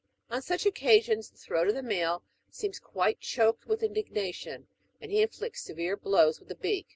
On such occasions the throat of the male seems quit€ choked with indignation, and he inflicts severe blows with the beak : and " Metu."